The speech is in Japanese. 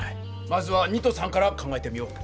まずは２と３から考えてみよう。